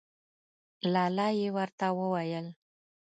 لا لا یې ورته وویل.